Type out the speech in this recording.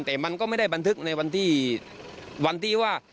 แต่มันก็ไม่ได้บันทึกในวันที่วันที่ว่า